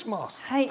はい。